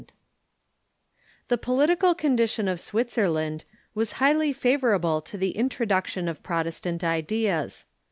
] The political condition of Switzerland was highly favorable to the introduction of Protestant ideas.